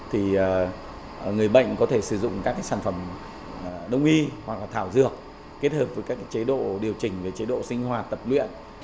thì người bệnh có thể sử dụng các sản phẩm đông y hoặc thảo dược kết hợp với các chế độ điều chỉnh về chế độ sinh hoạt tập luyện